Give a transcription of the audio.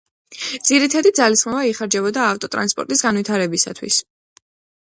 ძირითადი ძალისხმევა იხარჯებოდა ავტოტრანსპორტის განვითარებისათვის.